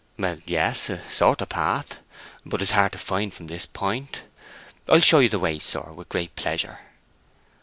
"Well, yes, a sort of path. But it is hard to find from this point. I'll show you the way, sir, with great pleasure."